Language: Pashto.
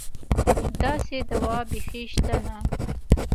داسې دوا بېخي شته نه.